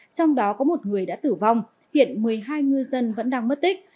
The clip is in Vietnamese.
trong đó có một người đã tử vong hiện một mươi hai ngư dân vẫn đang mất tích